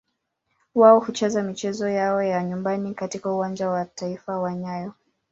Wao hucheza michezo yao ya nyumbani katika Uwanja wa Taifa wa nyayo.